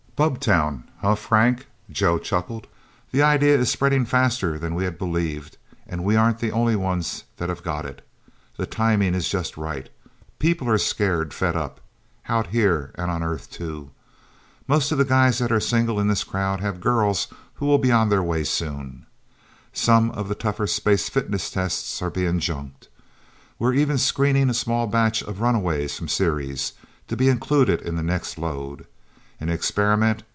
"Bubbtown, huh, Frank?" Joe chuckled. "The idea is spreading faster than we had believed, and we aren't the only ones that have got it. The timing is just right. People are scared, fed up. Out Here and on Earth, too... Most of the guys that are single in this crowd have girls who will be on the way soon. Some of the tougher space fitness tests are being junked. We're even screening a small batch of runaways from Ceres to be included in the next load. An experiment.